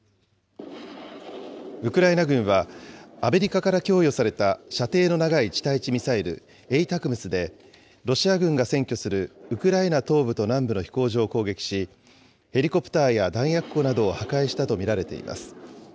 ウクライナ軍は、アメリカから供与された射程の長い地対地ミサイルＡＴＡＣＭＳで、ロシア軍が占拠するウクライナ東部と南部の飛行場を攻撃し、ヘリコプターや弾薬庫などを破壊したと見られています。